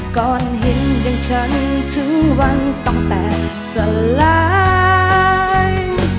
ก่อนเห็นได้ฉันถึงวันตั้งแต่สลาย